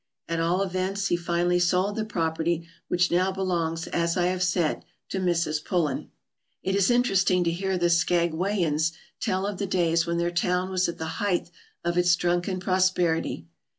At all events, he finally sold the property, which now be longs, as I have said, to Mrs. Pullen. It is interesting to hear the Skagwayans tell of the days when their town was at the height of its drunken pros perity.